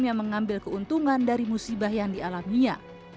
yang mengambil keuntungan dari musibah yang dialaminya